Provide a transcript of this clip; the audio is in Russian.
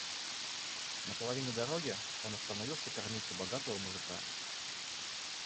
На половине дороги он остановился кормить у богатого мужика.